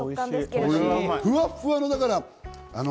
ふわっふわ！